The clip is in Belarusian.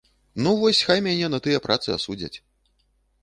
Ну, вось хай мяне на тыя працы асудзяць.